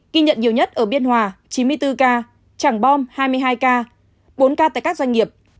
ghi nhận nhiều nhất ở biên hòa chín mươi bốn ca trảng bom hai mươi hai ca bốn ca tại các doanh nghiệp